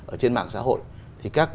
ở trên mạng xã hội thì các